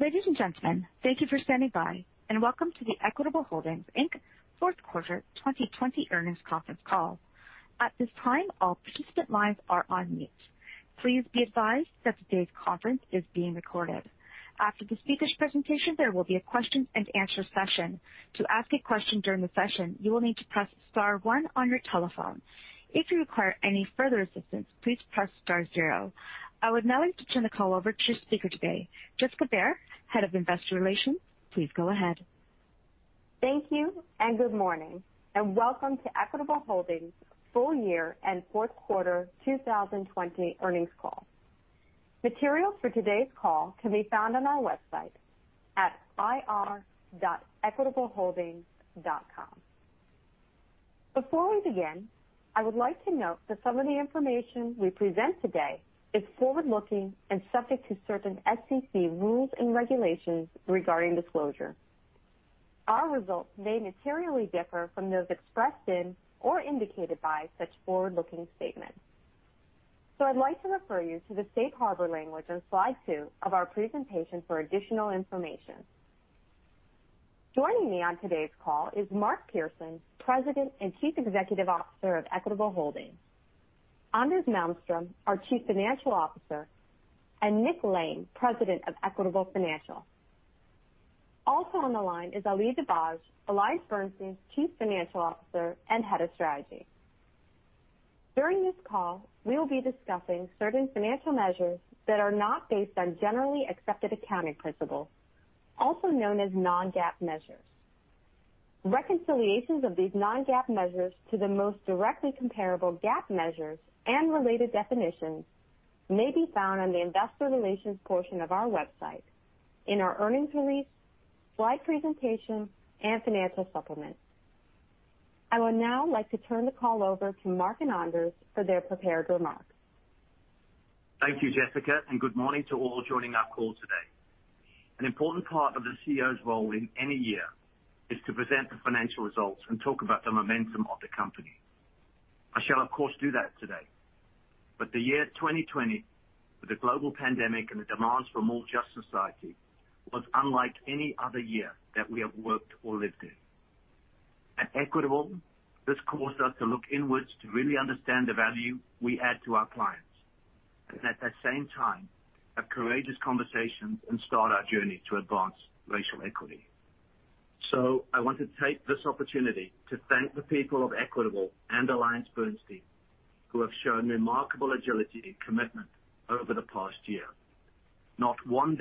Ladies and gentlemen, thank you for standing by and welcome to the Equitable Holdings, Inc.'s fourth quarter 2020 earnings conference call. At this time, all participant lines are on mute. Please be advised that today's conference is being recorded. After the speakers' presentation, there will be a question and answer session. To ask a question during the session, you will need to press star one on your telephone. If you require any further assistance, please press star zero. I would now like to turn the call over to speaker Jessica Baehr, Head of Investor Relations. Please go ahead. Thank you. Good morning, and welcome to Equitable Holdings full year and fourth quarter 2020 earnings call. Materials for today's call can be found on our website at ir.equitableholdings.com. Before we begin, I would like to note that some of the information we present today is forward-looking and subject to certain SEC rules and regulations regarding disclosure. Our results may materially differ from those expressed in or indicated by such forward-looking statements. I'd like to refer you to the safe harbor language on slide two of our presentation for additional information. Joining me on today's call is Mark Pearson, President and Chief Executive Officer of Equitable Holdings, Anders Malmström, our Chief Financial Officer, and Nick Lane, President of Equitable Financial. Also on the line is Ali Dabaj, AllianceBernstein's Chief Financial Officer and Head of Strategy. During this call, we will be discussing certain financial measures that are not based on Generally Accepted Accounting Principles, also known as non-GAAP measures. Reconciliations of these non-GAAP measures to the most directly comparable GAAP measures and related definitions may be found on the investor relations portion of our website in our earnings release, slide presentation, and financial supplements. I would now like to turn the call over to Mark and Anders for their prepared remarks. Thank you, Jessica. Good morning to all joining our call today. An important part of the CEO's role in any year is to present the financial results and talk about the momentum of the company. I shall, of course, do that today. The year 2020, with the global pandemic and the demands for a more just society, was unlike any other year that we have worked or lived in. At Equitable, this caused us to look inwards to really understand the value we add to our clients, and at that same time, have courageous conversations and start our journey to advance racial equity. I want to take this opportunity to thank the people of Equitable and AllianceBernstein, who have shown remarkable agility and commitment over the past year. Not 5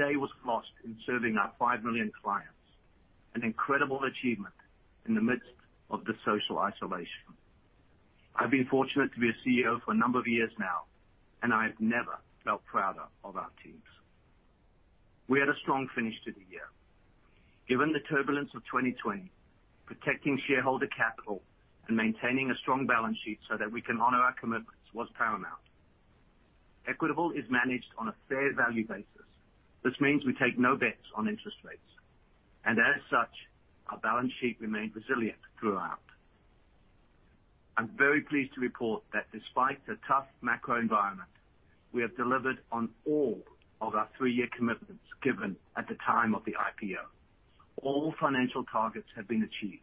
million clients, an incredible achievement in the midst of the social isolation. I have been fortunate to be a CEO for a number of years now, I have never felt prouder of our teams. We had a strong finish to the year. Given the turbulence of 2020, protecting shareholder capital and maintaining a strong balance sheet so that we can honor our commitments was paramount. Equitable is managed on a fair value basis. This means we take no bets on interest rates. As such, our balance sheet remained resilient throughout. I am very pleased to report that despite the tough macro environment, we have delivered on all of our three-year commitments given at the time of the IPO. All financial targets have been achieved.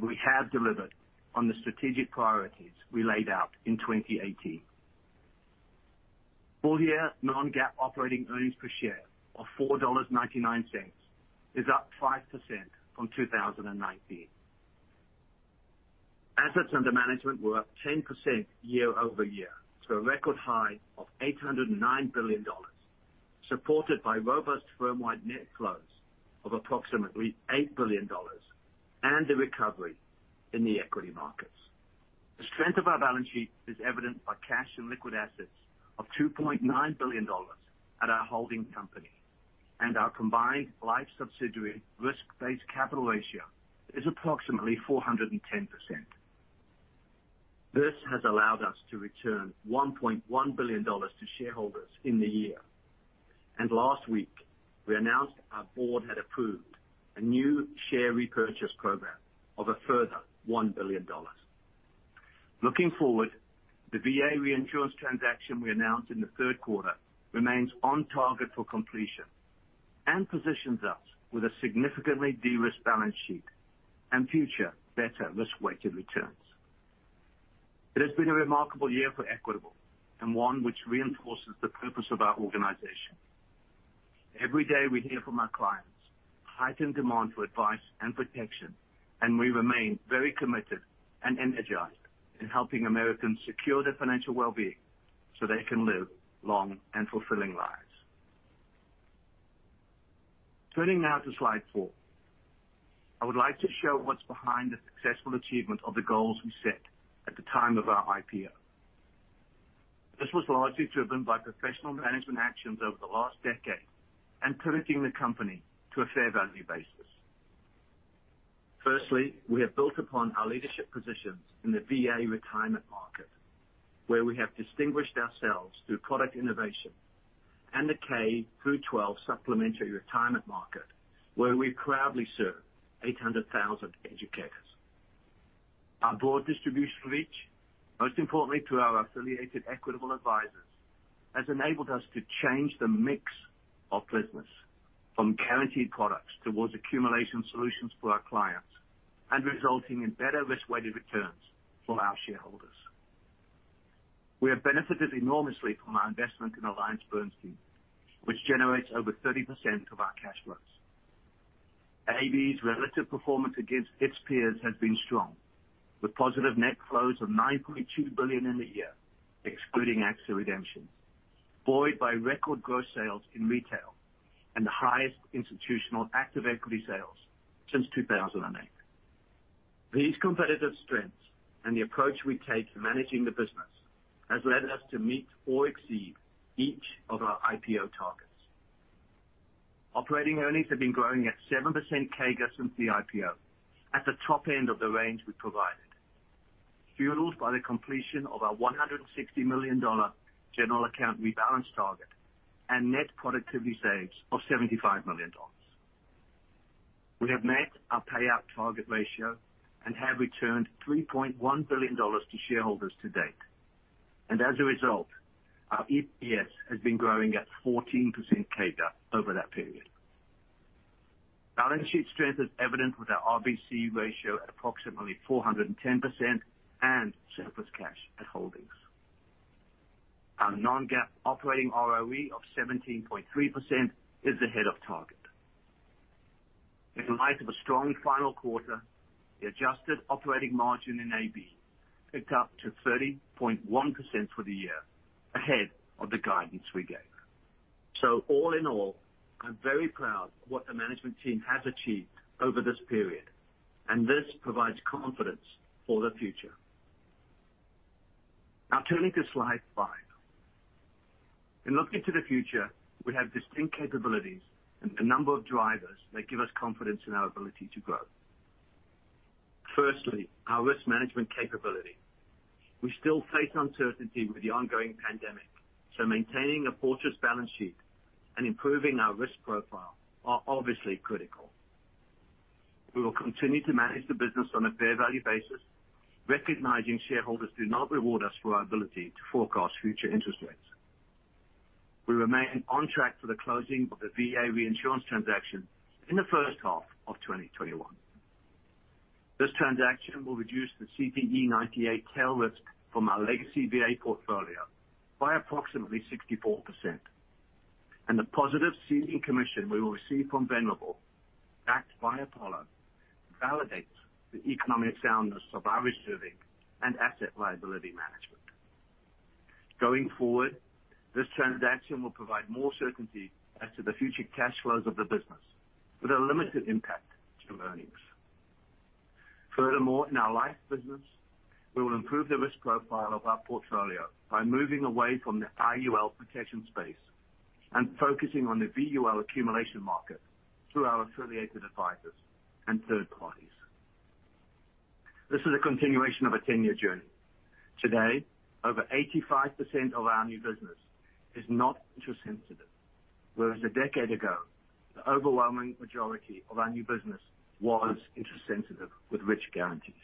We have delivered on the strategic priorities we laid out in 2018. Full year non-GAAP operating earnings per share of $4.99 is up 5% from 2019. Assets under management were up 10% year-over-year to a record high of $809 billion, supported by robust firm-wide net flows of approximately $8 billion. A recovery in the equity markets. The strength of our balance sheet is evident by cash and liquid assets of $2.9 billion at our holding company. Our combined life subsidiary risk-based capital ratio is approximately 410%. This has allowed us to return $1.1 billion to shareholders in the year. Last week, we announced our board had approved a new share repurchase program of a further $1 billion. Looking forward, the VA reinsurance transaction we announced in the third quarter remains on target for completion. Positions us with a significantly de-risked balance sheet and future better risk-weighted returns. It has been a remarkable year for Equitable and one which reinforces the purpose of our organization. Every day we hear from our clients heightened demand for advice and protection. We remain very committed and energized in helping Americans secure their financial well-being so they can live long and fulfilling lives. Turning now to slide four. I would like to show what is behind the successful achievement of the goals we set at the time of our IPO. This was largely driven by professional management actions over the last decade. Pivoting the company to a fair value basis. Firstly, we have built upon our leadership positions in the VA retirement market, where we have distinguished ourselves through product innovation and the K-12 supplementary retirement market, where we proudly serve 800,000 educators. Our broad distribution reach, most importantly to our affiliated Equitable Advisors, has enabled us to change the mix of business from guaranteed products towards accumulation solutions for our clients. Resulting in better risk-weighted returns for our shareholders. We have benefited enormously from our investment in AllianceBernstein, which generates over 30% of our cash flows. AB's relative performance against its peers has been strong, with positive net flows of $9.2 billion in the year, excluding AXA redemptions, buoyed by record gross sales in retail. The highest institutional active equity sales since 2008. These competitive strengths and the approach we take to managing the business has led us to meet or exceed each of our IPO targets. Operating earnings have been growing at 7% CAGR since the IPO, at the top end of the range we provided, fueled by the completion of our $160 million General Account rebalance target and net productivity saves of $75 million. We have met our payout target ratio and have returned $3.1 billion to shareholders to date. As a result, our EPS has been growing at 14% CAGR over that period. Balance sheet strength is evident with our RBC ratio at approximately 410% and surplus cash at holdings. Our non-GAAP operating ROE of 17.3% is ahead of target. In light of a strong final quarter, the adjusted operating margin in AB ticked up to 30.1% for the year, ahead of the guidance we gave. All in all, I'm very proud of what the management team has achieved over this period, and this provides confidence for the future. Turning to slide five. In looking to the future, we have distinct capabilities and a number of drivers that give us confidence in our ability to grow. Firstly, our risk management capability. We still face uncertainty with the ongoing pandemic, so maintaining a fortress balance sheet and improving our risk profile are obviously critical. We will continue to manage the business on a fair value basis, recognizing shareholders do not reward us for our ability to forecast future interest rates. We remain on track for the closing of the VA reinsurance transaction in the first half of 2021. This transaction will reduce the CTE98 tail risk from our legacy VA portfolio by approximately 64%, and the positive seeding commission we will receive from Venerable, backed by Apollo, validates the economic soundness of our reserving and asset liability management. Going forward, this transaction will provide more certainty as to the future cash flows of the business with a limited impact to earnings. Furthermore, in our life business, we will improve the risk profile of our portfolio by moving away from the IUL protection space and focusing on the VUL accumulation market through our affiliated advisors and third parties. This is a continuation of a 10-year journey. Today, over 85% of our new business is not interest sensitive, whereas a decade ago, the overwhelming majority of our new business was interest sensitive with rich guarantees.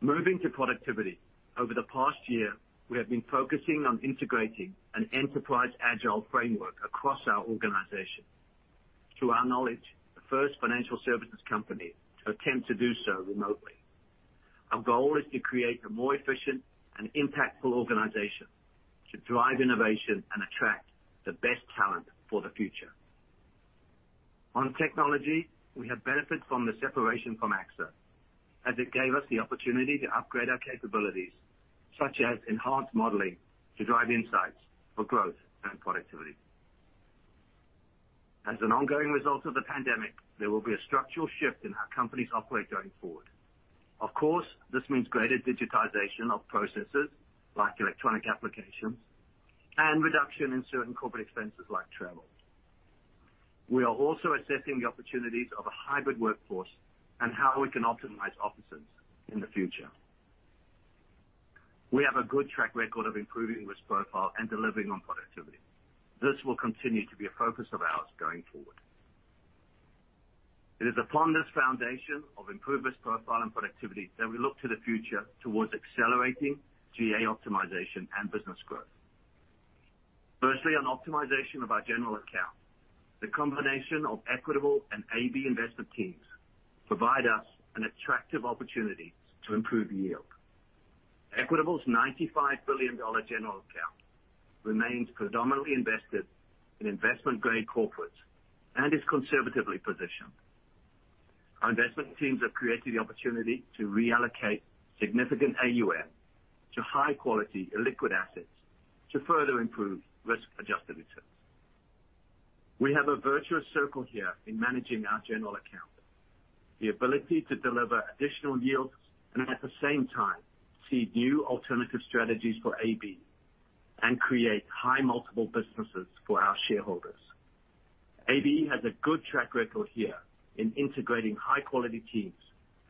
Moving to productivity. Over the past year, we have been focusing on integrating an enterprise agile framework across our organization. To our knowledge, the first financial services company to attempt to do so remotely. Our goal is to create a more efficient and impactful organization to drive innovation and attract the best talent for the future. On technology, we have benefited from the separation from AXA, as it gave us the opportunity to upgrade our capabilities, such as enhanced modeling to drive insights for growth and productivity. An ongoing result of the pandemic, there will be a structural shift in how companies operate going forward. Of course, this means greater digitization of processes, like electronic applications, and reduction in certain corporate expenses like travel. We are also assessing the opportunities of a hybrid workforce and how we can optimize offices in the future. We have a good track record of improving risk profile and delivering on productivity. This will continue to be a focus of ours going forward. It is upon this foundation of improved risk profile and productivity that we look to the future towards accelerating GA optimization and business growth. Firstly, on optimization of our general account. The combination of Equitable and AB investment teams provide us an attractive opportunity to improve yield. Equitable's $95 billion general account remains predominantly invested in investment-grade corporates and is conservatively positioned. Our investment teams have created the opportunity to reallocate significant AUM to high-quality illiquid assets to further improve risk-adjusted returns. We have a virtuous circle here in managing our general account. The ability to deliver additional yields and at the same time seed new alternative strategies for AB and create high multiple businesses for our shareholders. AB has a good track record here in integrating high-quality teams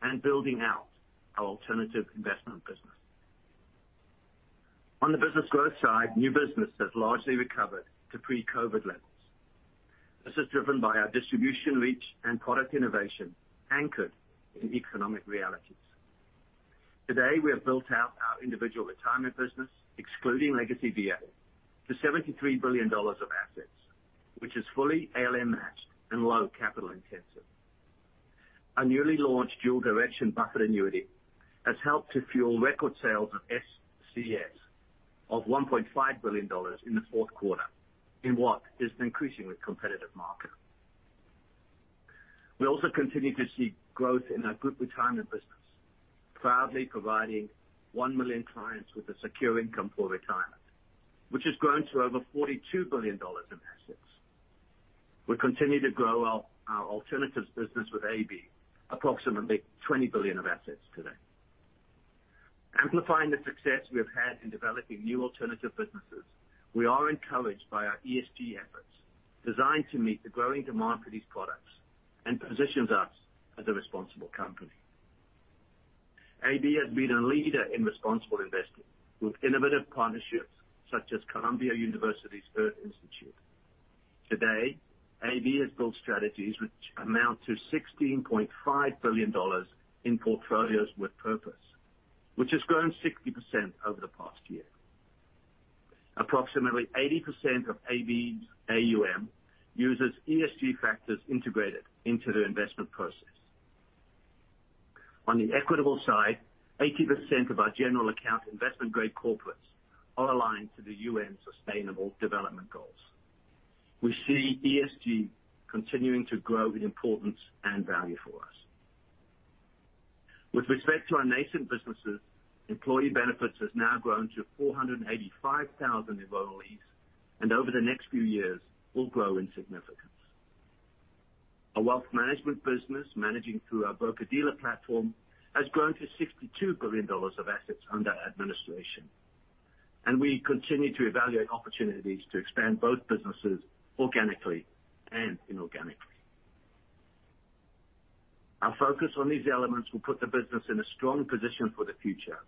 and building out our alternative investment business. On the business growth side, new business has largely recovered to pre-COVID levels. This is driven by our distribution reach and product innovation anchored in economic realities. Today, we have built out our Individual Retirement business, excluding legacy VA, to $73 billion of assets, which is fully ALM matched and low capital intensive. Our newly launched Dual Direction buffer annuity has helped to fuel record sales of SCS of $1.5 billion in the fourth quarter, in what is an increasingly competitive market. We also continue to see growth in our Group Retirement business, proudly providing 1 million clients with a secure income for retirement, which has grown to over $42 billion in assets. We continue to grow our alternatives business with AB, approximately $20 billion of assets today. Amplifying the success we have had in developing new alternative businesses, we are encouraged by our ESG efforts designed to meet the growing demand for these products and positions us as a responsible company. AB has been a leader in responsible investing with innovative partnerships such as Columbia University's Earth Institute. Today, AB has built strategies which amount to $16.5 billion in portfolios with purpose, which has grown 60% over the past year. Approximately 80% of AB's AUM uses ESG factors integrated into the investment process. On the Equitable side, 80% of our general account investment-grade corporates are aligned to the UN Sustainable Development Goals. We see ESG continuing to grow in importance and value for us. With respect to our nascent businesses, employee benefits has now grown to 485,000 enrollees, and over the next few years will grow in significance. Our wealth management business, managing through our broker-dealer platform, has grown to $62 billion of assets under administration. We continue to evaluate opportunities to expand both businesses organically and inorganically. Our focus on these elements will put the business in a strong position for the future,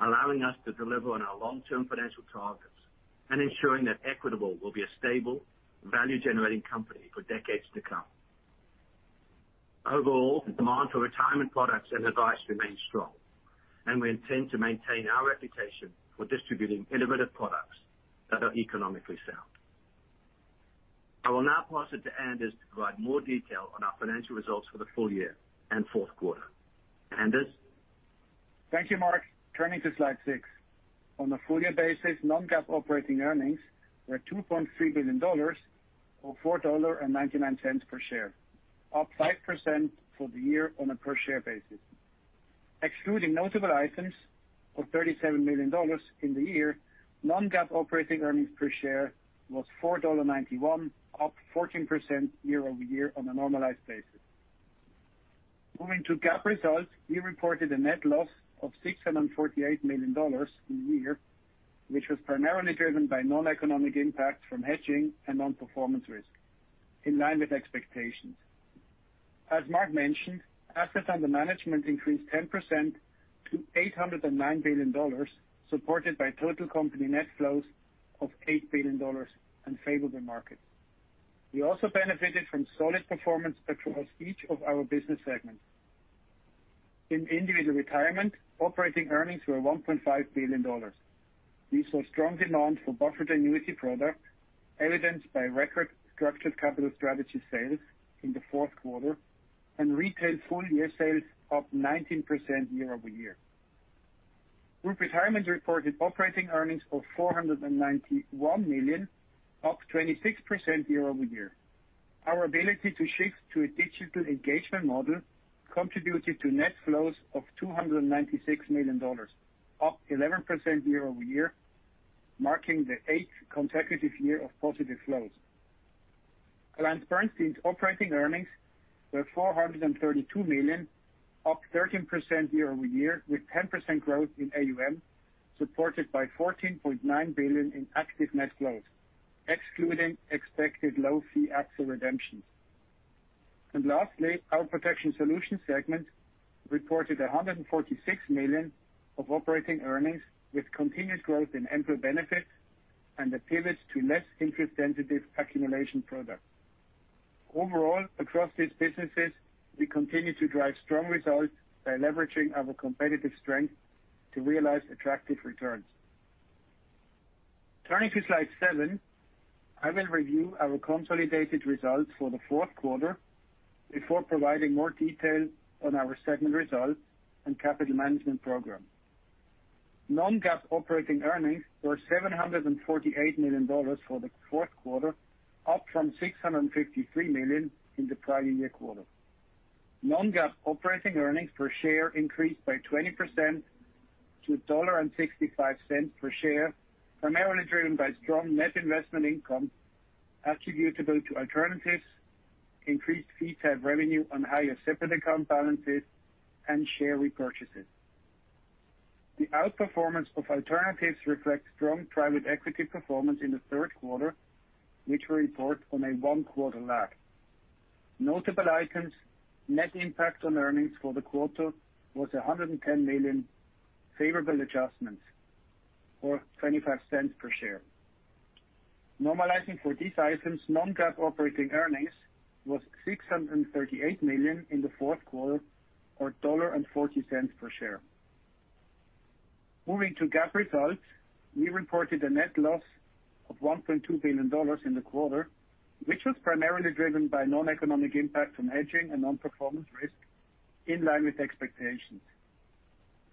allowing us to deliver on our long-term financial targets and ensuring that Equitable will be a stable, value-generating company for decades to come. Overall, the demand for retirement products and advice remains strong, and we intend to maintain our reputation for distributing innovative products that are economically sound. I will now pass it to Anders to provide more detail on our financial results for the full year and fourth quarter. Anders? Thank you, Mark. Turning to slide six. On a full-year basis, non-GAAP operating earnings were $2.3 billion, or $4.99 per share, up 5% for the year on a per share basis. Excluding notable items of $37 million in the year, non-GAAP operating earnings per share was $4.91, up 14% year-over-year on a normalized basis. Moving to GAAP results, we reported a net loss of $648 million in the year, which was primarily driven by non-economic impacts from hedging and non-performance risk in line with expectations. As Mark mentioned, assets under management increased 10% to $809 billion, supported by total company net flows of $8 billion and favorable markets. We also benefited from solid performance across each of our business segments. In Individual Retirement, operating earnings were $1.5 billion. We saw strong demand for buffered annuity product, evidenced by record Structured Capital Strategies sales in the fourth quarter and retail full-year sales up 19% year-over-year. Group Retirement reported operating earnings of $491 million, up 26% year-over-year. Our ability to shift to a digital engagement model contributed to net flows of $296 million, up 11% year-over-year, marking the eighth consecutive year of positive flows. AllianceBernstein's operating earnings were $432 million, up 13% year-over-year, with 10% growth in AUM, supported by $14.9 billion in active net flows, excluding expected low fee AXA redemptions. Lastly, our Protection Solutions segment reported $146 million of operating earnings, with continuous growth in employee benefits and a pivot to less interest-sensitive accumulation products. Overall, across these businesses, we continue to drive strong results by leveraging our competitive strength to realize attractive returns. Turning to slide seven, I will review our consolidated results for the fourth quarter before providing more detail on our segment results and capital management program. Non-GAAP operating earnings were $748 million for the fourth quarter, up from $653 million in the prior year quarter. Non-GAAP operating earnings per share increased by 20% to $1.65 per share, primarily driven by strong net investment income attributable to alternatives, increased fee type revenue on higher separate account balances, and share repurchases. The outperformance of alternatives reflects strong private equity performance in the third quarter, which we report on a one-quarter lag. Notable items, net impact on earnings for the quarter was $110 million favorable adjustments, or $0.25 per share. Normalizing for these items, non-GAAP operating earnings was $638 million in the fourth quarter, or $1.40 per share. Moving to GAAP results, we reported a net loss of $1.2 billion in the quarter, which was primarily driven by non-economic impact from hedging and non-performance risk, in line with expectations.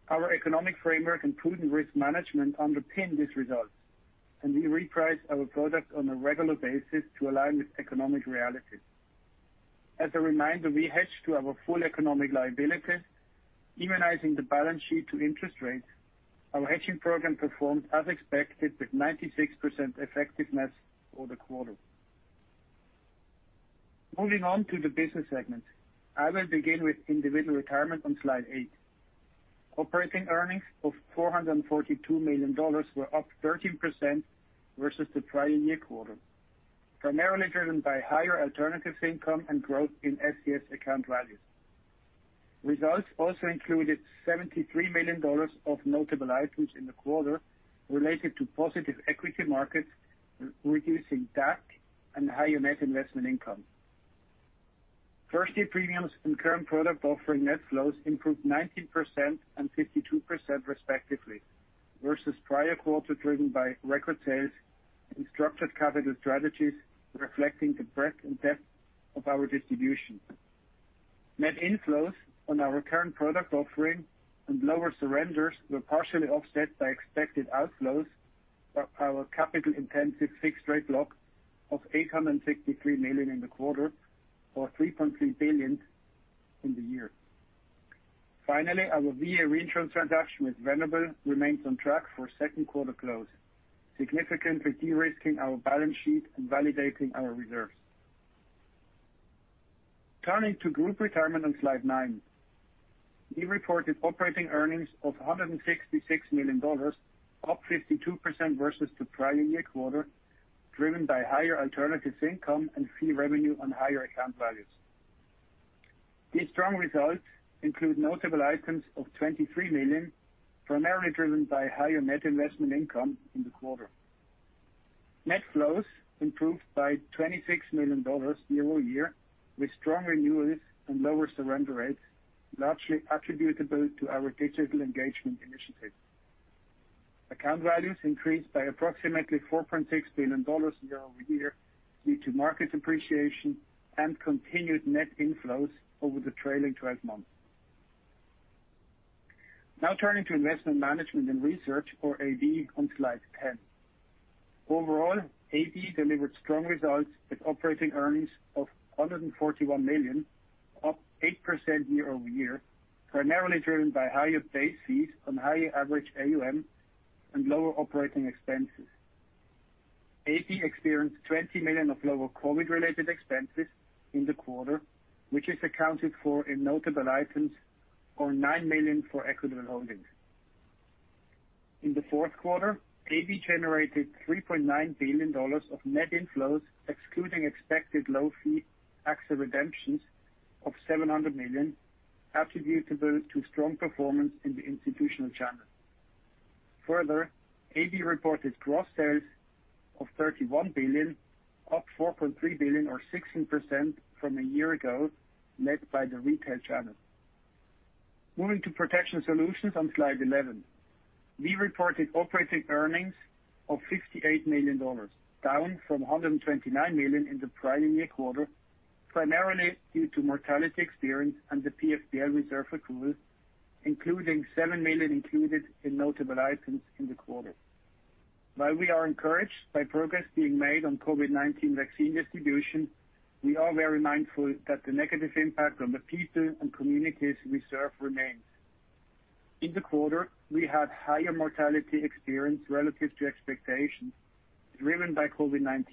Our economic framework and prudent risk management underpin this result, and we reprice our product on a regular basis to align with economic reality. As a reminder, we hedge to our full economic liability, immunizing the balance sheet to interest rates. Our hedging program performed as expected, with 96% effectiveness for the quarter. Moving on to the business segment. I will begin with Individual Retirement on slide eight. Operating earnings of $442 million were up 13% versus the prior year quarter, primarily driven by higher alternatives income and growth in SCS account values. Results also included $73 million of notable items in the quarter related to positive equity markets, reducing DAC and higher net investment income. Firstly, premiums and current product offering net flows improved 19% and 52% respectively versus prior quarter, driven by record sales and Structured Capital Strategies reflecting the breadth and depth of our distribution. Net inflows on our current product offering and lower surrenders were partially offset by expected outflows of our capital-intensive fixed rate block of $863 million in the quarter, or $3.3 billion in the year. Finally, our VA reinsurance transaction with Venerable remains on track for second quarter close, significantly de-risking our balance sheet and validating our reserves. Turning to Group Retirement on slide nine. We reported operating earnings of $166 million, up 52% versus the prior year quarter, driven by higher alternatives income and fee revenue on higher account values. These strong results include notable items of $23 million, primarily driven by higher net investment income in the quarter. Net flows improved by $26 million year-over-year, with strong renewals and lower surrender rates, largely attributable to our digital engagement initiative. Account values increased by approximately $4.6 billion year-over-year due to market appreciation and continued net inflows over the trailing 12 months. Turning to Investment Management and Research, or AB, on slide 10. Overall, AB delivered strong results with operating earnings of $141 million, up 8% year-over-year, primarily driven by higher base fees on higher average AUM and lower operating expenses. AB experienced $20 million of lower COVID-related expenses in the quarter, which is accounted for in notable items, or $9 million for Equitable Holdings. In the fourth quarter, AB generated $3.9 billion of net inflows, excluding expected low-fee AXA redemptions of $700 million attributable to strong performance in the institutional channel. AB reported gross sales of $31 billion, up $4.3 billion or 16% from a year ago, led by the retail channel. Moving to Protection Solutions on slide 11. We reported operating earnings of $58 million, down from $129 million in the prior year quarter, primarily due to mortality experience and the PFBL reserve accrual, including $7 million included in notable items in the quarter. While we are encouraged by progress being made on COVID-19 vaccine distribution, we are very mindful that the negative impact on the people and communities we serve remains. In the quarter, we had higher mortality experience relative to expectations driven by COVID-19.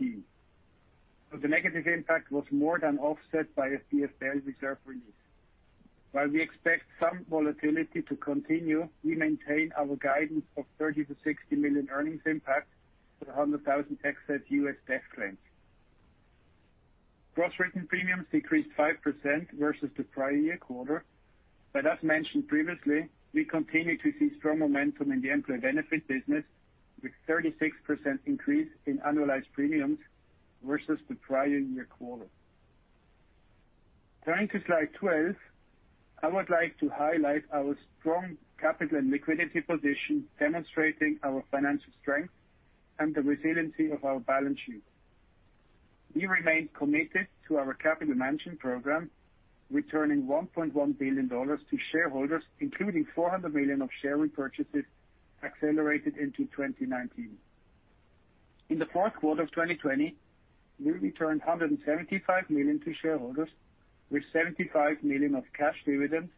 The negative impact was more than offset by a CFSL reserve release. While we expect some volatility to continue, we maintain our guidance of $30 million-$60 million earnings impact for the 100,000 excess U.S. death claims. Gross written premiums decreased 5% versus the prior year quarter. As mentioned previously, we continue to see strong momentum in the employee benefit business, with 36% increase in annualized premiums versus the prior year quarter. Turning to slide 12, I would like to highlight our strong capital and liquidity position demonstrating our financial strength and the resiliency of our balance sheet. We remain committed to our capital management program, returning $1.1 billion to shareholders, including $400 million of share repurchases accelerated into 2019. In the fourth quarter of 2020, we returned $175 million to shareholders, with $75 million of cash dividends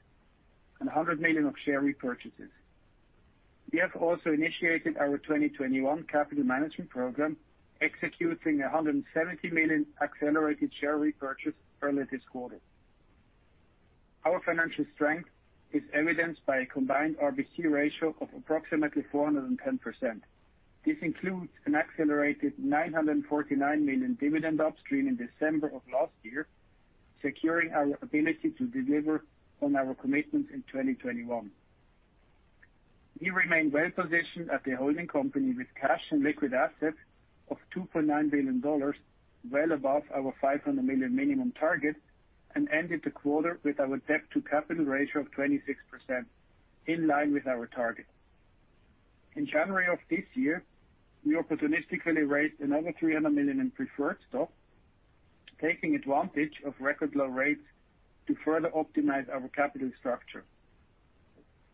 and $100 million of share repurchases. We have also initiated our 2021 capital management program, executing $170 million accelerated share repurchase early this quarter. Our financial strength is evidenced by a combined RBC ratio of approximately 410%. This includes an accelerated $949 million dividend upstream in December of last year, securing our ability to deliver on our commitments in 2021. We remain well-positioned as a holding company with cash and liquid assets of $2.9 billion, well above our $500 million minimum target, and ended the quarter with our debt to capital ratio of 26%, in line with our target. In January of this year, we opportunistically raised another $300 million in preferred stock, taking advantage of record low rates to further optimize our capital structure.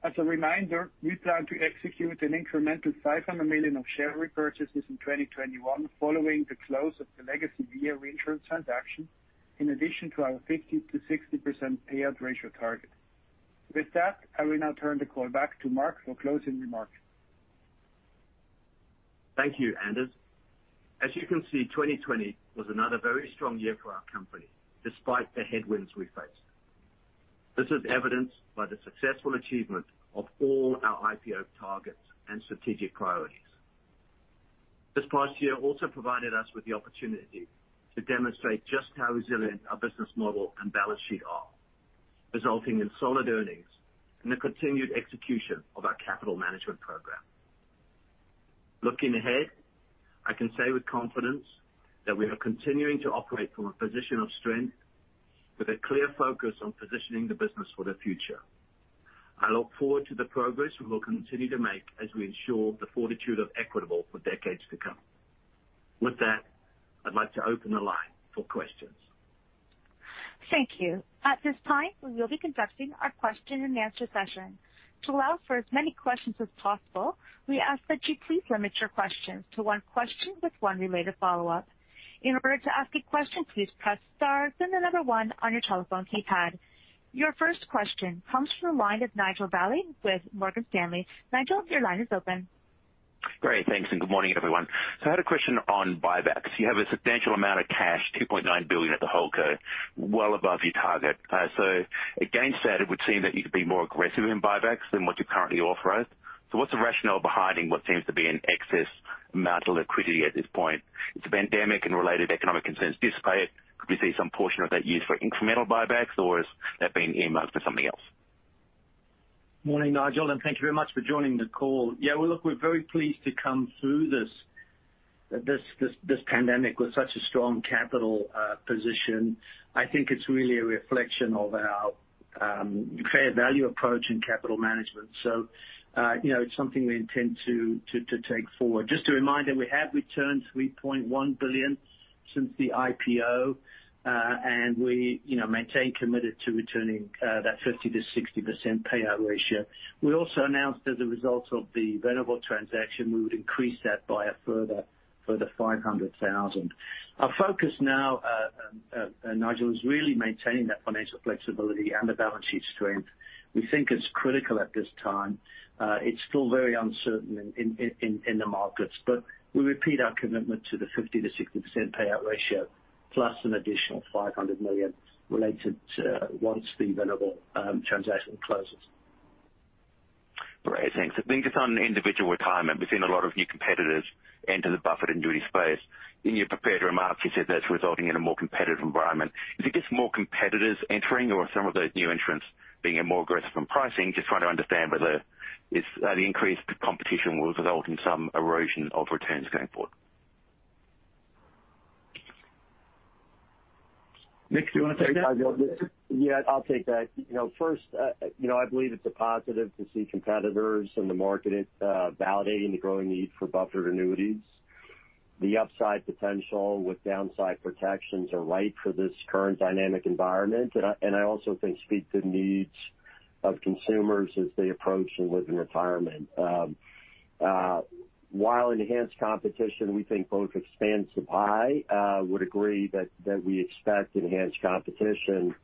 As a reminder, we plan to execute an incremental $500 million of share repurchases in 2021, following the close of the legacy VA reinsurance transaction, in addition to our 50%-60% payout ratio target. With that, I will now turn the call back to Mark for closing remarks. Thank you, Anders. As you can see, 2020 was another very strong year for our company, despite the headwinds we faced. This is evidenced by the successful achievement of all our IPO targets and strategic priorities. This past year also provided us with the opportunity to demonstrate just how resilient our business model and balance sheet are, resulting in solid earnings and the continued execution of our capital management program. Looking ahead, I can say with confidence that we are continuing to operate from a position of strength with a clear focus on positioning the business for the future. I look forward to the progress we will continue to make as we ensure the fortitude of Equitable for decades to come. With that, I'd like to open the line for questions. Thank you. At this time, we will be conducting our question and answer session. To allow for as many questions as possible, we ask that you please limit your questions to one question with one related follow-up. In order to ask a question, please press star, then the number one on your telephone keypad. Your first question comes from the line of Nigel Dalley with Morgan Stanley. Nigel, your line is open. Great. Thanks. Good morning, everyone. I had a question on buybacks. You have a substantial amount of cash, $2.9 billion at the holdco, well above your target. Against that, it would seem that you could be more aggressive in buybacks than what you currently authorized. What's the rationale behind what seems to be an excess amount of liquidity at this point? If the pandemic and related economic concerns do survive, could we see some portion of that used for incremental buybacks, or has that been earmarked for something else? Morning, Nigel, thank you very much for joining the call. We are very pleased to come through this pandemic with such a strong capital position. I think it is really a reflection of our fair value approach in capital management, so it is something we intend to take forward. Just a reminder, we have returned $3.1 billion since the IPO, and we maintain committed to returning that 50%-60% payout ratio. We also announced as a result of the Venerable transaction, we would increase that by a further $500 million. Our focus now, Nigel, is really maintaining that financial flexibility and the balance sheet strength. We think it is critical at this time. It is still very uncertain in the markets, but we repeat our commitment to the 50%-60% payout ratio plus an additional $500 million related to once the Venerable transaction closes. Great. Thanks. I think just on Individual Retirement, we have seen a lot of new competitors enter the buffered annuity space. In your prepared remarks, you said that is resulting in a more competitive environment. Is it just more competitors entering or some of those new entrants being more aggressive in pricing? Just trying to understand whether the increased competition will result in some erosion of returns going forward. Nick, do you want to take that? I will take that. First, I believe it is a positive to see competitors in the market validating the growing need for buffered annuities. The upside potential with downside protections are right for this current dynamic environment, I also think speak to the needs of consumers as they approach and live in retirement. While enhanced competition, we think both expands supply, would agree that we expect enhanced competition.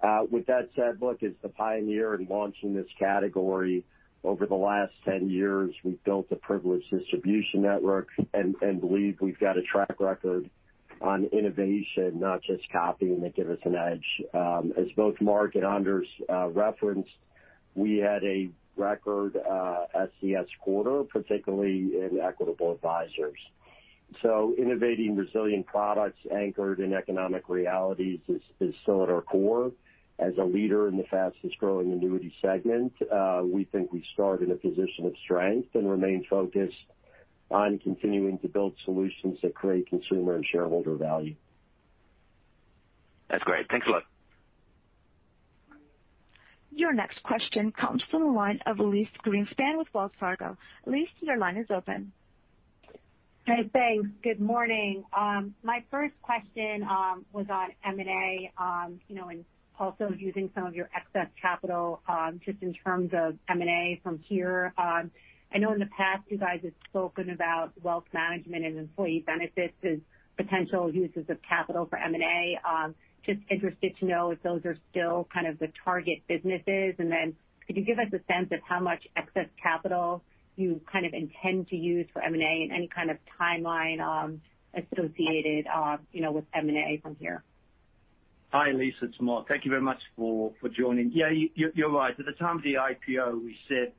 As the pioneer in launching this category over the last 10 years, we have built a privileged distribution network and believe we have got a track record on innovation, not just copying that give us an edge. As both Mark and Anders referenced, we had a record SCS quarter, particularly in Equitable Advisors. Innovating resilient products anchored in economic realities is still at our core. As a leader in the fastest growing annuity segment, we think we start in a position of strength and remain focused on continuing to build solutions that create consumer and shareholder value. That's great. Thanks a lot. Your next question comes from the line of Elyse Greenspan with Wells Fargo. Elyse, your line is open. Hey, thanks. Good morning. My first question was on M&A and also using some of your excess capital, just in terms of M&A from here. I know in the past, you guys have spoken about wealth management and employee benefits as potential uses of capital for M&A. Just interested to know if those are still kind of the target businesses, and then could you give us a sense of how much excess capital you kind of intend to use for M&A and any kind of timeline associated with M&A from here? Hi, Elyse, it's Mark. Thank you very much for joining. Yeah, you're right. At the time of the IPO, we said,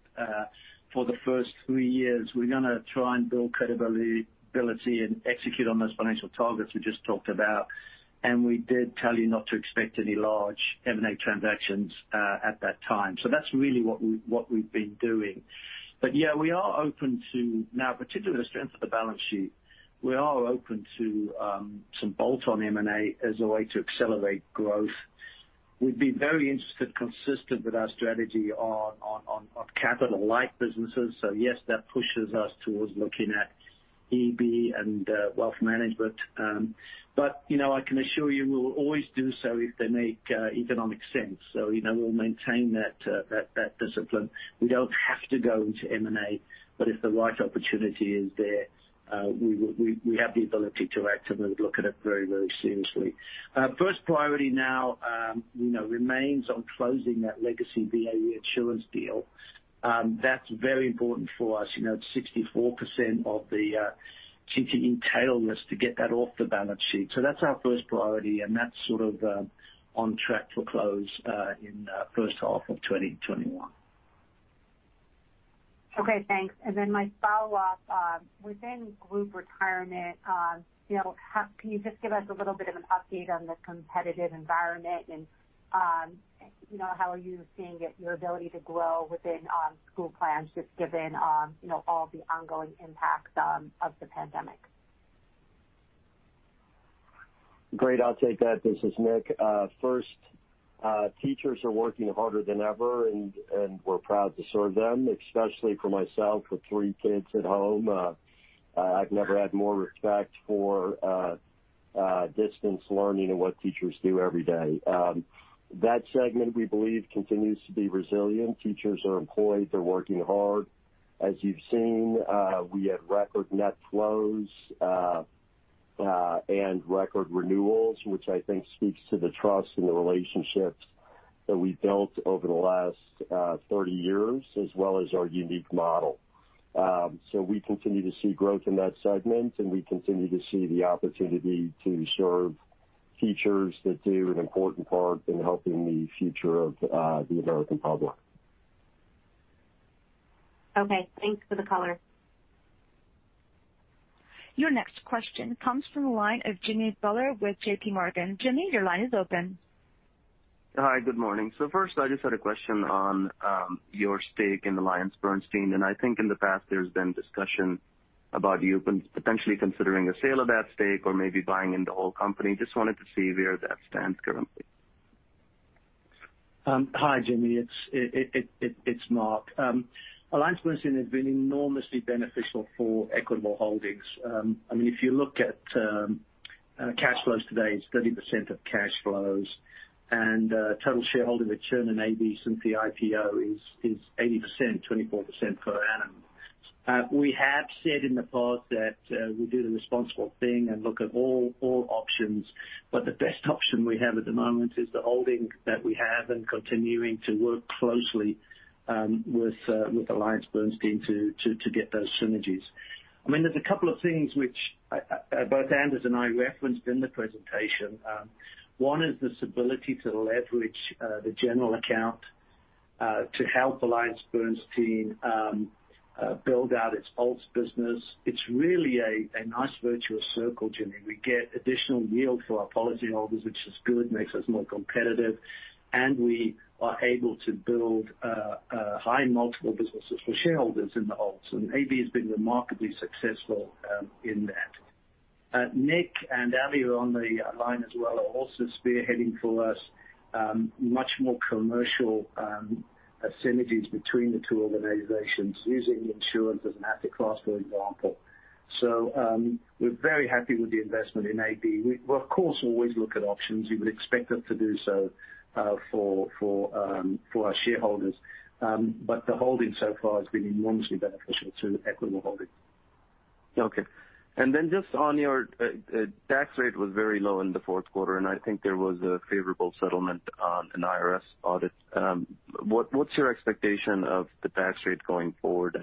for the first three years, we're going to try and build credibility and execute on those financial targets we just talked about. We did tell you not to expect any large M&A transactions at that time. That's really what we've been doing. Yeah, we are open to now, particularly the strength of the balance sheet. We are open to some bolt-on M&A as a way to accelerate growth. We'd be very interested, consistent with our strategy on capital-light businesses. Yes, that pushes us towards looking at EB and wealth management. I can assure you we will always do so if they make economic sense. We'll maintain that discipline. We don't have to go into M&A, but if the right opportunity is there, we have the ability to act and we would look at it very seriously. First priority now remains on closing that legacy VA insurance deal. That's very important for us. 64% of the CTE tail this to get that off the balance sheet. That's our first priority, and that's sort of on track to close in first half of 2021. Okay, thanks. Then my follow-up, within Group Retirement, can you just give us a little bit of an update on the competitive environment and how are you seeing your ability to grow within school plans, just given all the ongoing impacts of the pandemic? Great. I'll take that. This is Nick. First, teachers are working harder than ever, we're proud to serve them, especially for myself, with three kids at home. I've never had more respect for distance learning and what teachers do every day. That segment, we believe, continues to be resilient. Teachers are employed. They're working hard. As you've seen, we had record net flows and record renewals, which I think speaks to the trust and the relationships that we built over the last 30 years, as well as our unique model. We continue to see growth in that segment, and we continue to see the opportunity to serve teachers that do an important part in helping the future of the American public. Okay. Thanks for the color. Your next question comes from the line of Jimmy Bhullar with JPMorgan. Jimmy, your line is open. Hi, good morning. First, I just had a question on your stake in AllianceBernstein, and I think in the past there's been discussion about you potentially considering a sale of that stake or maybe buying into all company. Just wanted to see where that stands currently. Hi, Jimmy. It's Mark. AllianceBernstein has been enormously beneficial for Equitable Holdings. If you look at cash flows today, it's 30% of cash flows and total shareholder return in AllianceBernstein since the IPO is 80%, 24% per annum. We have said in the past that we do the responsible thing and look at all options, but the best option we have at the moment is the holding that we have and continuing to work closely with AllianceBernstein to get those synergies. There's a couple of things which both Anders and I referenced in the presentation. One is this ability to leverage the general account to help AllianceBernstein build out its Alts business. It's really a nice virtuous circle, Jimmy. We get additional yield for our policyholders, which is good, makes us more competitive, and we are able to build high multiple businesses for shareholders in the Alts, and AllianceBernstein has been remarkably successful in that. Nick and Ali, on the line as well, are also spearheading for us much more commercial synergies between the two organizations using insurance as an asset class, for example. We're very happy with the investment in AllianceBernstein. We, of course, always look at options. You would expect us to do so for our shareholders. The holding so far has been enormously beneficial to Equitable Holdings. Okay. Just on your tax rate was very low in the fourth quarter, and I think there was a favorable settlement on an IRS audit. What's your expectation of the tax rate going forward,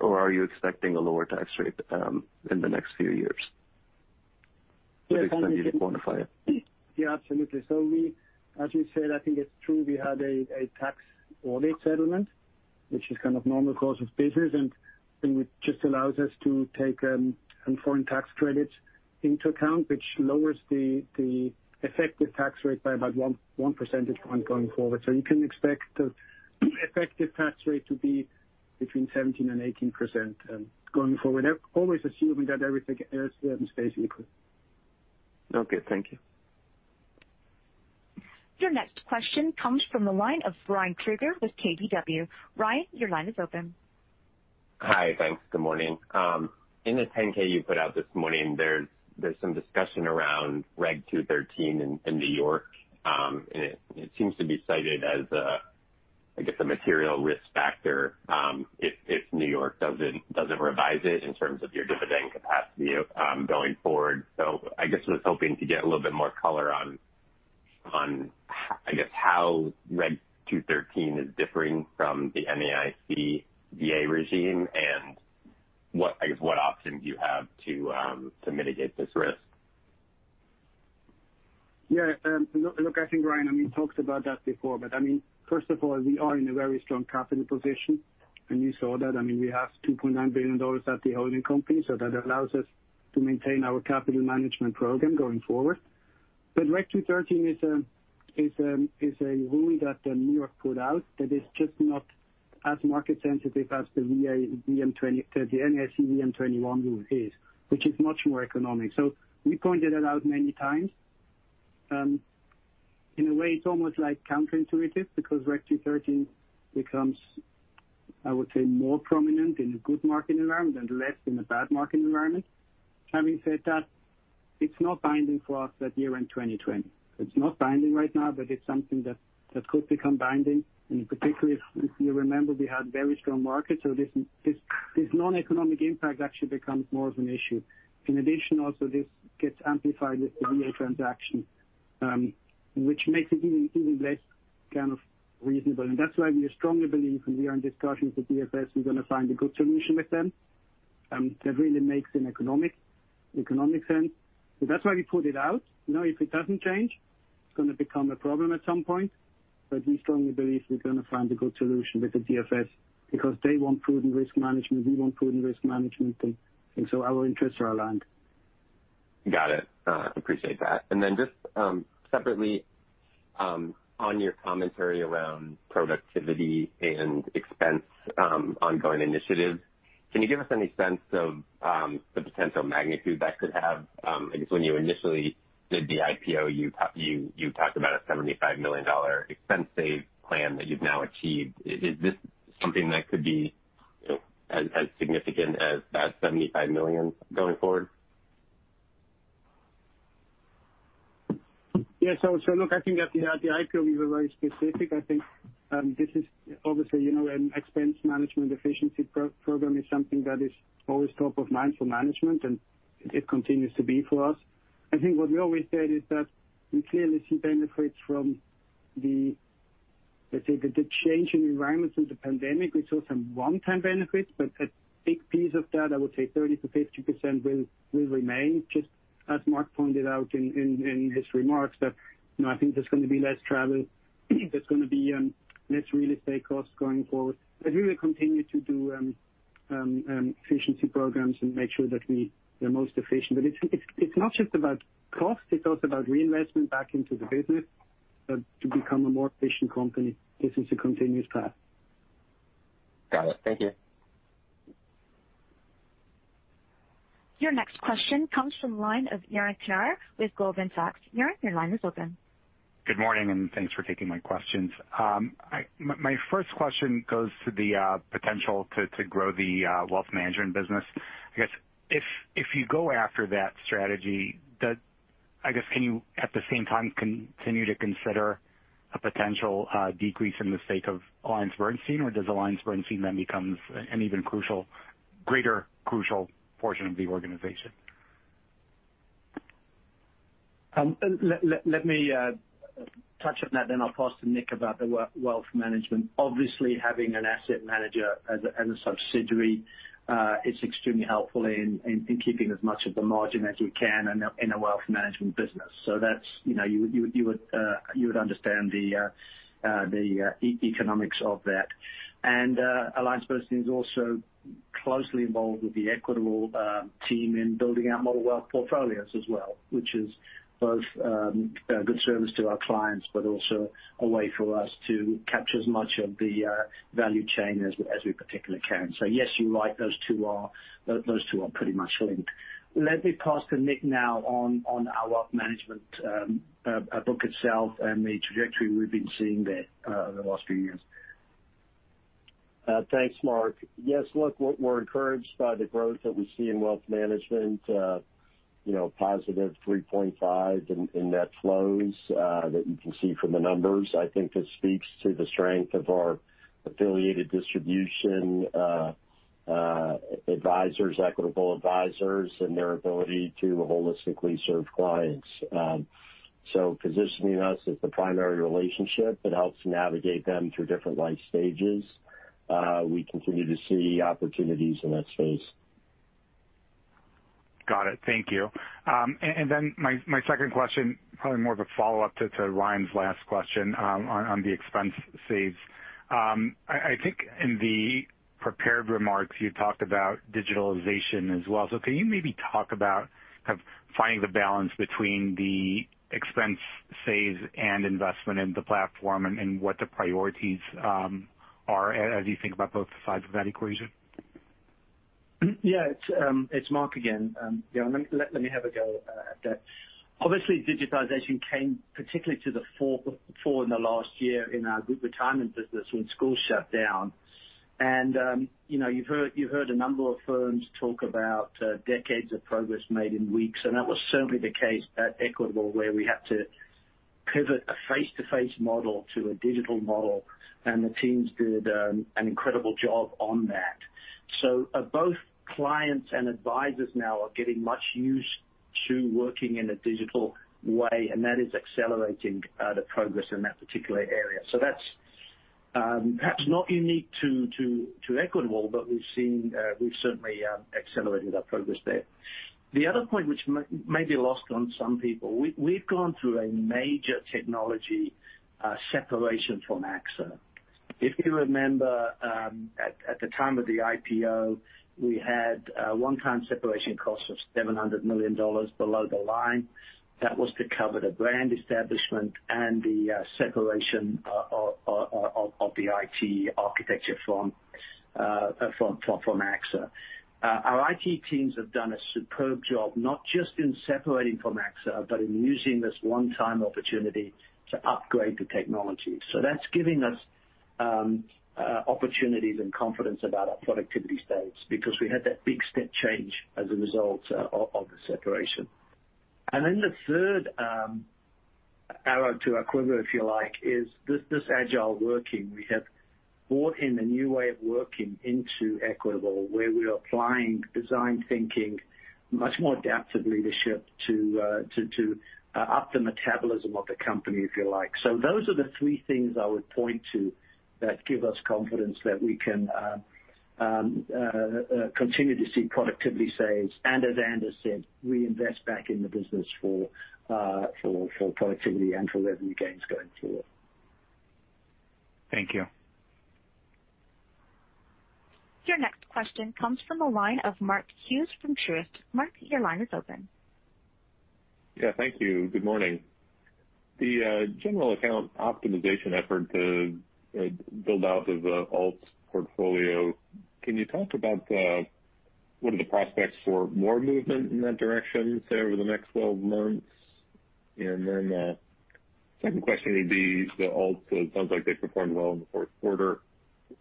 or are you expecting a lower tax rate in the next few years? If it's okay with you to quantify it. Yeah, absolutely. As you said, I think it's true, we had a tax audit settlement, which is kind of normal course of business, and it just allows us to take foreign tax credits into account, which lowers the effective tax rate by about one percentage point going forward. You can expect the effective tax rate to be between 17% and 18% going forward. Always assuming that everything else remains equal. Okay, thank you. Your next question comes from the line of Ryan Krueger with KBW. Ryan, your line is open. Hi, thanks. Good morning. In the 10-K you put out this morning, there's some discussion around Reg 213 in New York. It seems to be cited as, I guess, a material risk factor if New York doesn't revise it in terms of your dividend capacity going forward. I guess I was hoping to get a little bit more color on, I guess, how Reg 213 is differing from the NAIC VA regime and what options you have to mitigate this risk. Yeah. Look, I think, Ryan, we talked about that before, first of all, we are in a very strong capital position, and you saw that. We have $2.9 billion at the holding company, that allows us to maintain our capital management program going forward. Reg 213 is a rule that New York put out that is just not as market sensitive as the NAIC VM-21 rule is, which is much more economic. We pointed that out many times. In a way, it's almost counterintuitive, because Reg 213 becomes, I would say, more prominent in a good market environment and less in a bad market environment. Having said that, it's not binding for us at year-end 2020. It's not binding right now, it's something that could become binding. Particularly if you remember, we had very strong markets, this non-economic impact actually becomes more of an issue. In addition, also, this gets amplified with the VA transaction, which makes it even less reasonable. That's why we strongly believe, and we are in discussions with DFS, we're going to find a good solution with them that really makes economic sense. That's why we put it out. If it doesn't change, it's going to become a problem at some point. We strongly believe we're going to find a good solution with the DFS, because they want prudent risk management, we want prudent risk management. Our interests are aligned. Got it. Appreciate that. Just separately, on your commentary around productivity and expense ongoing initiatives, can you give us any sense of the potential magnitude that could have? I guess when you initially did the IPO, you talked about a $75 million expense save plan that you've now achieved. Is this something that could be as significant as that $75 million going forward? Yeah. Look, I think at the IPO, we were very specific. I think this is obviously an expense management efficiency program is something that is always top of mind for management, and it continues to be for us. I think what we always said is that we clearly see benefits from the, let's say, the change in environment since the pandemic. We saw some one-time benefits, a big piece of that, I would say 30%-50%, will remain, just as Mark pointed out in his remarks, that I think there's going to be less travel, there's going to be less real estate costs going forward. We will continue to do efficiency programs and make sure that we are most efficient. It's not just about cost, it's also about reinvestment back into the business to become a more efficient company. This is a continuous path. Got it. Thank you. Your next question comes from the line of Yaron Kinar with Goldman Sachs. Yaron, your line is open. Good morning, and thanks for taking my questions. My first question goes to the potential to grow the wealth management business. I guess, if you go after that strategy, I guess, can you, at the same time, continue to consider a potential decrease in the stake of AllianceBernstein, or does AllianceBernstein then become an even greater crucial portion of the organization? Let me touch on that, then I'll pass to Nick about the wealth management. Obviously, having an asset manager as a subsidiary is extremely helpful in keeping as much of the margin as we can in a wealth management business. You would understand the economics of that. AllianceBernstein is also closely involved with the Equitable team in building out model wealth portfolios as well, which is both a good service to our clients, but also a way for us to capture as much of the value chain as we particularly can. Yes, you're right, those two are pretty much linked. Let me pass to Nick now on our wealth management book itself and the trajectory we've been seeing there over the last few years. Thanks, Mark. Yes, look, we're encouraged by the growth that we see in wealth management. Positive 3.5 in net flows that you can see from the numbers. I think this speaks to the strength of our affiliated distribution advisors, Equitable Advisors, and their ability to holistically serve clients. Positioning us as the primary relationship, it helps navigate them through different life stages. We continue to see opportunities in that space. Got it. Thank you. Then my second question, probably more of a follow-up to Ryan's last question on the expense saves. I think in the prepared remarks, you talked about digitalization as well. Can you maybe talk about kind of finding the balance between the expense saves and investment in the platform and what the priorities are as you think about both sides of that equation? Yeah. It's Mark again. Yeah, let me have a go at that. Obviously, digitization came particularly to the fore in the last year in our Group Retirement business when schools shut down. You've heard a number of firms talk about decades of progress made in weeks, and that was certainly the case at Equitable, where we had to pivot a face-to-face model to a digital model, and the teams did an incredible job on that. Both clients and advisors now are getting much used to working in a digital way, and that is accelerating the progress in that particular area. That's perhaps not unique to Equitable, but we've certainly accelerated our progress there. The other point, which may be lost on some people, we've gone through a major technology separation from AXA. If you remember, at the time of the IPO, we had a one-time separation cost of $700 million below the line. That was to cover the brand establishment and the separation of the IT architecture from AXA. Our IT teams have done a superb job, not just in separating from AXA, but in using this one-time opportunity to upgrade the technology. That's giving us opportunities and confidence about our productivity saves, because we had that big step change as a result of the separation. The third arrow to our quiver, if you like, is this agile working. We have brought in a new way of working into Equitable, where we are applying design thinking, much more adaptive leadership to up the metabolism of the company, if you like. Those are the three things I would point to that give us confidence that we can continue to see productivity saves and, as Anders said, reinvest back in the business for productivity and for revenue gains going forward. Thank you. Your next question comes from the line of Mark Hughes from Truist. Mark, your line is open. Yeah, thank you. Good morning. The general account optimization effort to build out the Alts portfolio, can you talk about what are the prospects for more movement in that direction, say, over the next 12 months? Then the second question would be the Alts, it sounds like they performed well in the fourth quarter.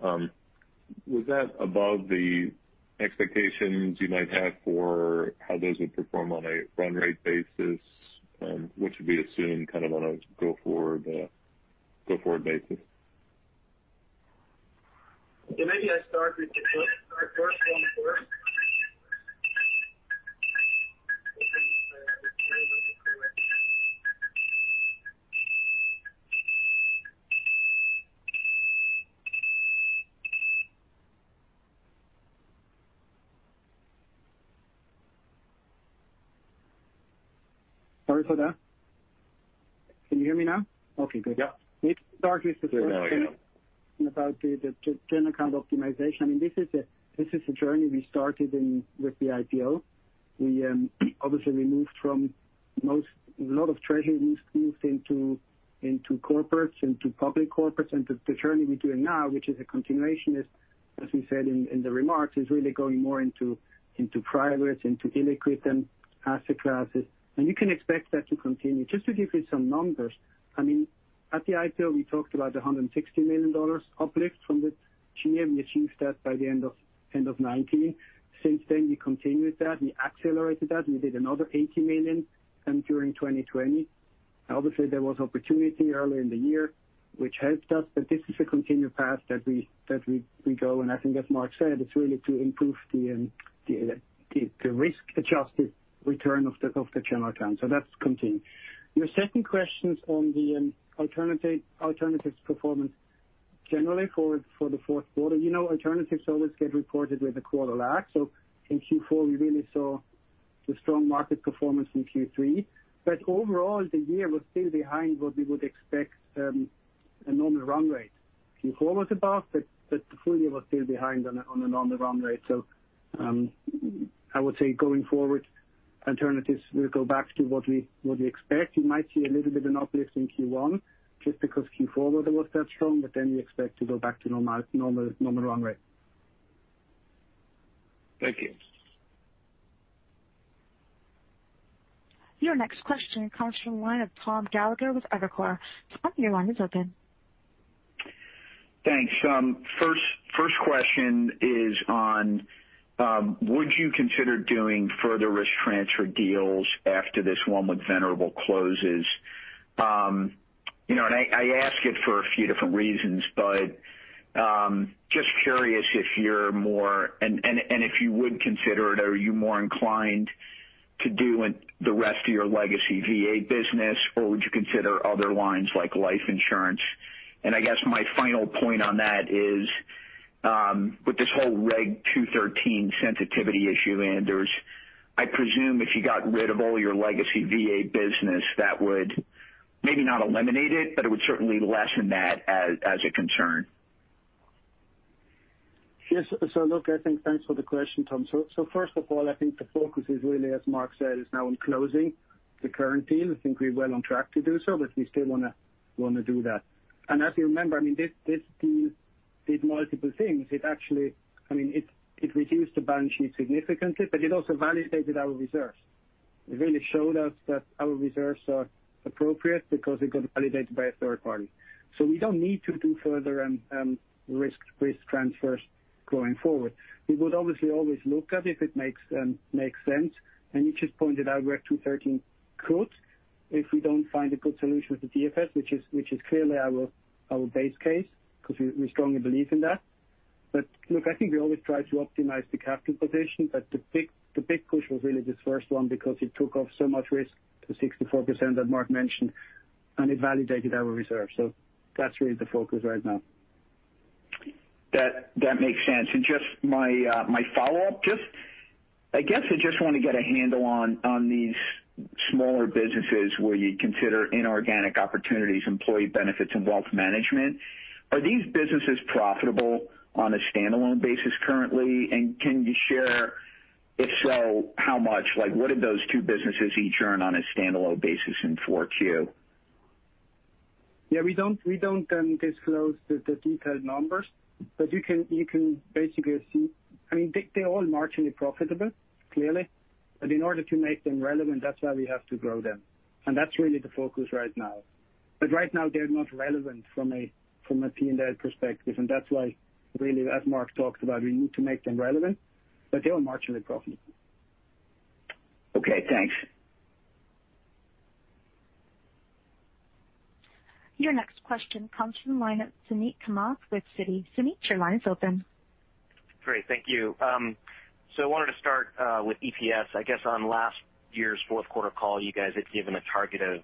Was that above the expectations you might have for how those would perform on a run rate basis? What should we assume on a go-forward basis? Maybe I start with the first one first. Sorry for that. Can you hear me now? Okay, good. Yeah. Maybe start with the first one. Clear now, yeah. About the general account optimization. I mean, this is a journey we started with the IPO. Obviously, we moved from a lot of treasury moves into corporates, into public corporates, and the journey we're doing now, which is a continuation, as we said in the remarks, is really going more into privates, into illiquid and asset classes. You can expect that to continue. Just to give you some numbers, I mean, at the IPO, we talked about the $160 million uplift from the GA. We achieved that by the end of 2019. Since then, we continued that, we accelerated that. We did another $80 million during 2020. Obviously, there was opportunity earlier in the year, which helped us, but this is a continued path that we go on. I think as Mark said, it's really to improve the risk-adjusted return of the general account. That's continuing. Your second question's on the alternatives performance generally for the fourth quarter. Alternatives always get reported with a quarter lag. In Q4, we really saw the strong market performance in Q3. Overall, the year was still behind what we would expect a normal run rate. Q4 was above, but the full year was still behind on the normal run rate. I would say going forward, alternatives will go back to what we expect. You might see a little bit an uplift in Q1, just because Q4 wasn't that strong, but then we expect to go back to normal run rate. Thank you. Your next question comes from the line of Thomas Gallagher with Evercore. Tom, your line is open. Thanks. First question is on, would you consider doing further risk transfer deals after this one with Venerable closes? I ask it for a few different reasons, but just curious if you're more, and if you would consider it, are you more inclined to do the rest of your legacy VA business, or would you consider other lines like life insurance? I guess my final point on that is, with this whole Reg 213 sensitivity issue, Anders, I presume if you got rid of all your legacy VA business, that would maybe not eliminate it, but it would certainly lessen that as a concern. Yes. Look, I think thanks for the question, Tom. First of all, I think the focus is really, as Mark said, is now on closing the current deal. I think we're well on track to do so, but we still want to do that. As you remember, this deal did multiple things. It actually reduced the balance sheet significantly, but it also validated our reserves. It really showed us that our reserves are appropriate because it got validated by a third party. We don't need to do further risk transfers going forward. We would obviously always look at if it makes sense, and you just pointed out where 213 could If we don't find a good solution with the DFS, which is clearly our base case, because we strongly believe in that. Look, I think we always try to optimize the capital position, but the big push was really this first one because it took off so much risk, the 64% that Mark mentioned, and it validated our reserve. That's really the focus right now. That makes sense. My follow-up, I guess I just want to get a handle on these smaller businesses where you consider inorganic opportunities, employee benefits, and wealth management. Are these businesses profitable on a standalone basis currently? Can you share, if so, how much? What did those two businesses each earn on a standalone basis in Q4? We don't disclose the detailed numbers, but you can basically see. They're all marginally profitable, clearly. In order to make them relevant, that's why we have to grow them. That's really the focus right now. Right now they're not relevant from a P&L perspective, and that's why really, as Mark talked about, we need to make them relevant, but they are marginally profitable. Okay, thanks. Your next question comes from the line of Suneet Kamath with Citi. Suneet, your line is open. Great. Thank you. I wanted to start with EPS. I guess on last year's fourth quarter call, you guys had given a target of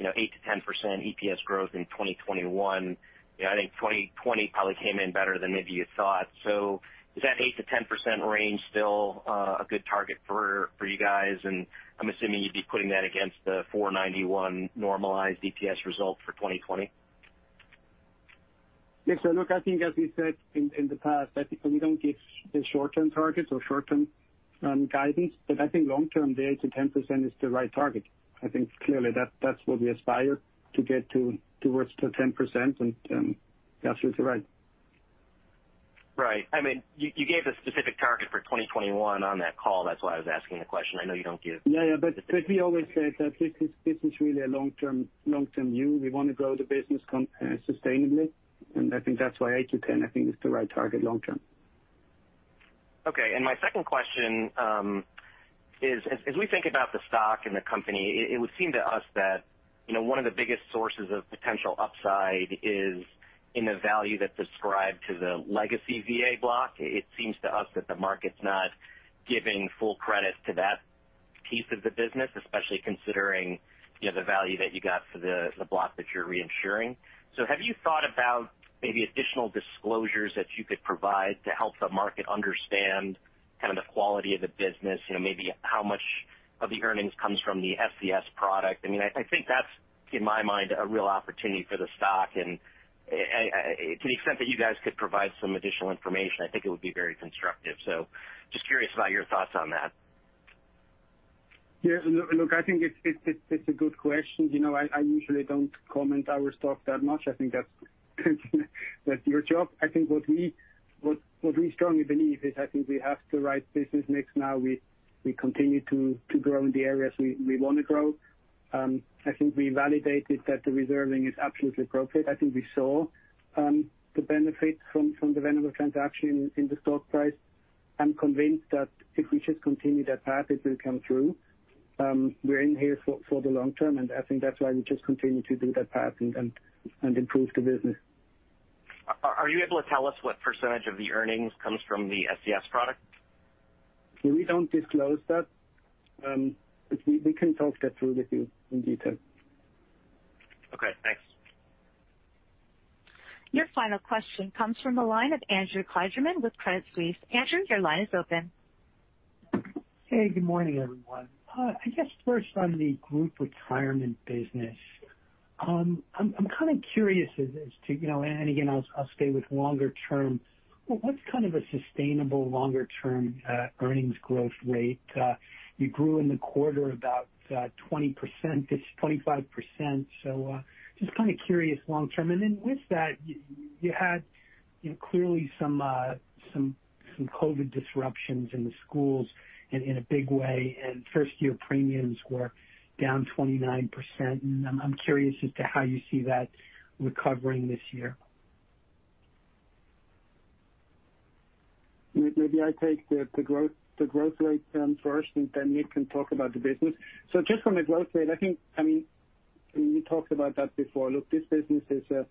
8%-10% EPS growth in 2021. I think 2020 probably came in better than maybe you thought. Is that 8%-10% range still a good target for you guys? I'm assuming you'd be putting that against the 4.91 normalized EPS result for 2020. Yes. Look, I think as we said in the past, that we don't give the short-term targets or short-term guidance. I think long-term, the 8%-10% is the right target. I think clearly that's what we aspire to get towards the 10%. It's right. Right. You gave a specific target for 2021 on that call. That's why I was asking the question. I know you don't give. We always said that this is really a long-term view. We want to grow the business sustainably. I think that's why 8%-10%, I think, is the right target long term. My second question is, as we think about the stock and the company, it would seem to us that one of the biggest sources of potential upside is in the value that's ascribed to the legacy VA block. It seems to us that the market's not giving full credit to that piece of the business, especially considering the value that you got for the block that you're reinsuring. Have you thought about maybe additional disclosures that you could provide to help the market understand the quality of the business, maybe how much of the earnings comes from the SCS product? I think that's, in my mind, a real opportunity for the stock, and to the extent that you guys could provide some additional information, I think it would be very constructive. Just curious about your thoughts on that. Yeah. Look, I think it's a good question. I usually don't comment our stock that much. I think that's your job. I think what we strongly believe is, I think we have the right business mix now. We continue to grow in the areas we want to grow. I think we validated that the reserving is absolutely appropriate. I think we saw the benefit from the Venerable transaction in the stock price. I'm convinced that if we just continue that path, it will come through. We're in here for the long term, and I think that's why we just continue to do that path and improve the business. Are you able to tell us what percentage of the earnings comes from the SCS product? We don't disclose that. We can talk that through with you in detail. Okay, thanks. Your final question comes from the line of Andrew Kligerman with Credit Suisse. Andrew, your line is open. Hey, good morning, everyone. I guess first on the Group Retirement business. I'm curious as to, and again, I'll stay with longer term, what's a sustainable longer-term earnings growth rate? You grew in the quarter about 20%-25%, so just curious long term. With that, you had clearly some COVID disruptions in the schools in a big way, and first-year premiums were down 29%, and I'm curious as to how you see that recovering this year. Maybe I take the growth rate first, and then Nick can talk about the business. Just on the growth rate, I think we talked about that before. Look, this business is a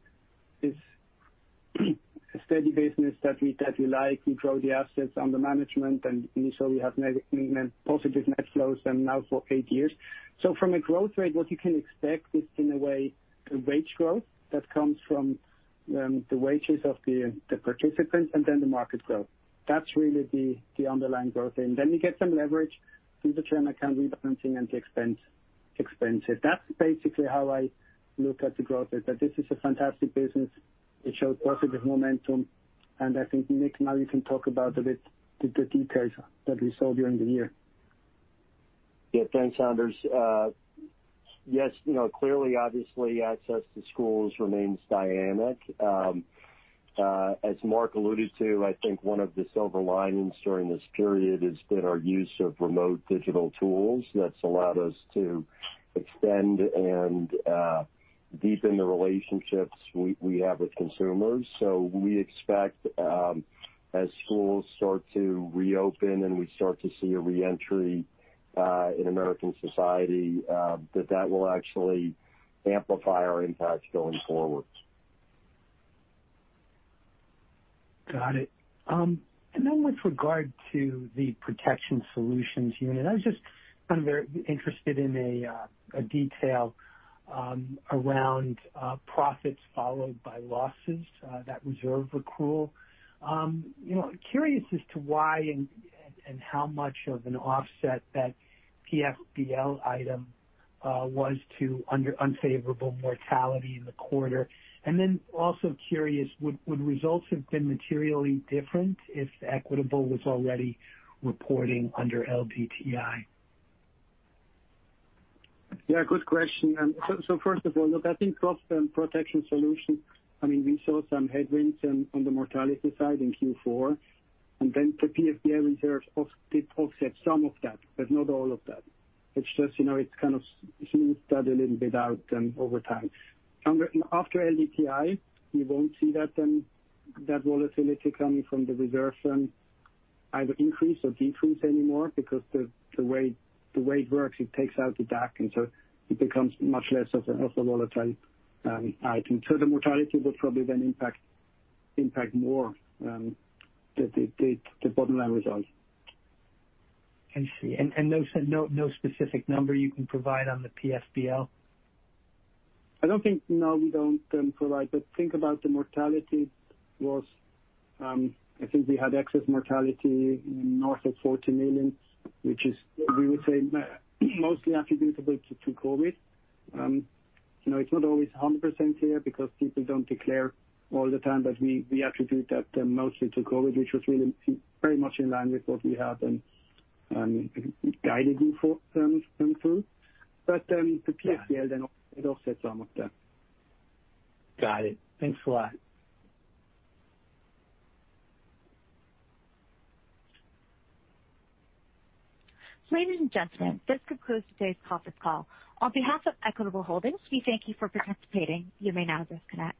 steady business that we like. We grow the assets under management, so we have positive net flows now for eight years. From a growth rate, what you can expect is, in a way, the wage growth that comes from the wages of the participants and then the market growth. That's really the underlying growth. Then you get some leverage through the term account rebalancing and the expenses. That's basically how I look at the growth rate, that this is a fantastic business. It shows positive momentum, and I think Nick, now you can talk about a bit the details that we saw during the year. Thanks, Anders. Clearly, obviously, access to schools remains dynamic. As Mark alluded to, I think one of the silver linings during this period has been our use of remote digital tools that's allowed us to extend and deepen the relationships we have with consumers. We expect as schools start to reopen and we start to see a re-entry in American society, that will actually amplify our impact going forward. Got it. With regard to the Protection Solutions unit, I was just very interested in a detail around profits followed by losses, that reserve accrual. Curious as to why and how much of an offset that PFBL item was to unfavorable mortality in the quarter. Also curious, would results have been materially different if Equitable was already reporting under LDTI? Good question. First of all, look, I think cost and Protection Solutions, we saw some headwinds on the mortality side in Q4, and then the PFBL reserves did offset some of that, but not all of that. It smooths that a little bit out over time. After LDTI, you won't see that volatility coming from the reserves either increase or decrease anymore because the way it works, it takes out the DAC, and so it becomes much less of a volatile item. The mortality will probably then impact more the bottom line results. I see. No specific number you can provide on the PFBL? No, we don't provide. Think about the mortality was, I think we had excess mortality north of $40 million, which is, we would say, mostly attributable to COVID. It's not always 100% clear because people don't declare all the time, we attribute that mostly to COVID, which was really very much in line with what we had guided you for going through. The PFBL then it offsets some of that. Got it. Thanks a lot. Ladies and gentlemen, this concludes today's conference call. On behalf of Equitable Holdings, we thank you for participating. You may now disconnect.